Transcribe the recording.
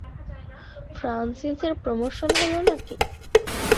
ফ্রান্সিসের promotion হলো নাকি?